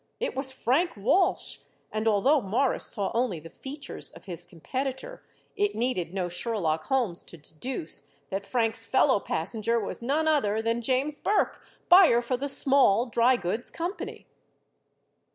It was Frank Walsh, and although Morris saw only the features of his competitor it needed no Sherlock Holmes to deduce that Frank's fellow passenger was none other than James Burke, buyer for the Small Drygoods Company.